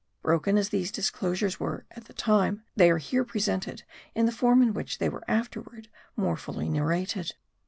Broken as these disclosures were at the time, they are here presented in the form in which they were afterward more fully narrated.